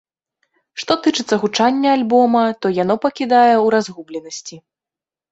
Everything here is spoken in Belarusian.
Што тычыцца гучання альбома, то яно пакідае ў разгубленасці.